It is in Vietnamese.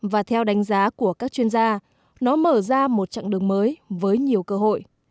và theo đánh giá của các chuyên gia nó mở ra một chặng đường mới với nhiều cơ hội